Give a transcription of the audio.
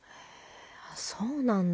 あそうなんだ。